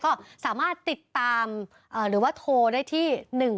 ก็สามารถติดตามหรือว่าโทรได้ที่๑๒